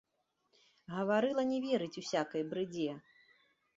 Гаварыла не верыць усякай брыдзе!